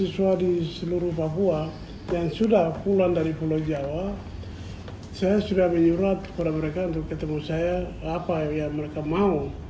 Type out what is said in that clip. saya menyuruh mereka untuk bertemu saya apa yang mereka mau